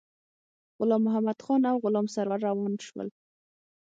غلام محمدخان او غلام سرور روان شول.